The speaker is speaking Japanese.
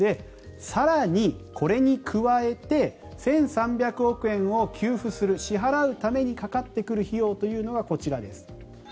更に、これに加えて１３００億円を給付する支払うためにかかってくる費用というのがこちらです。